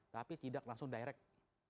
tapi tidak langsung direct